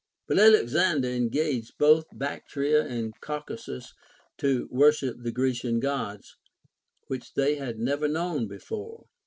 But Alexander engaged both Bactria and Caucasus to Avorship the Grecian Gods, which they had never knoAvn before.